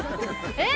えっ？